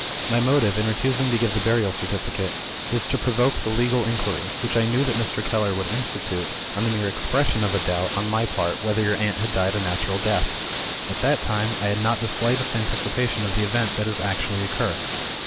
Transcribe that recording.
My motive, in refusing to give the burial certificate, was to provoke the legal inquiry, which I knew that Mr. Keller would institute, on the mere expression of a doubt, on my part, whether your aunt had died a natural death. At that time, I had not the slightest anticipation of the event that has actually occurred.